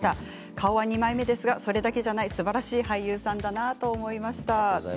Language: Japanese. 顔は二枚目ですがそれだけではないすばらしい俳優さんだと思いました。